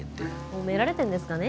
褒められてるんですかね？